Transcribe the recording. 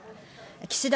岸田